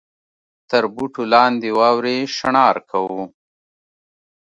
تر بوټو لاندې واورې شڼهار کاوه.